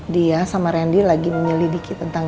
dia sama randy lagi menyelidiki tentang